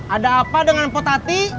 ada apa dengan potati